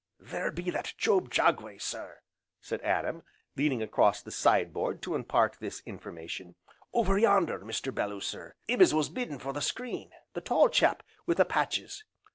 "Theer be that Job Jagway, sir," said Adam, leaning across the side board to impart this information, "over yonder, Mr. Belloo sir, 'im as was bidding for the screen, the tall chap wi' the patches.